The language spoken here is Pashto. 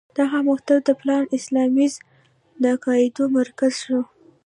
دغه مکتب د پان اسلامیزم د عقایدو مرکز شو.